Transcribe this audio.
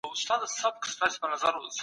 کتابتون څېړنه د علمي معلوماتو لپاره ده.